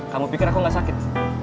kamu pikir aku gak sakit